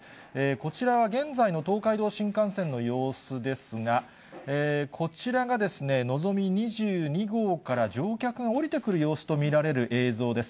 こちらは現在の東海道新幹線の様子ですが、こちらがのぞみ２２号から、乗客が降りてくる様子と見られる映像です。